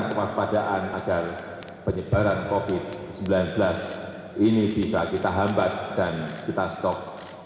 kewaspadaan agar penyebaran covid sembilan belas ini bisa kita hambat dan kita stop